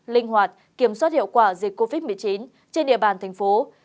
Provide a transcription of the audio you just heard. linh hoạt kiểm soát hiệu quả dịch covid một mươi chín trên địa bàn tp hcm